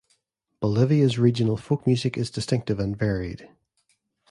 Bolivia's regional folk music is distinctive and varied.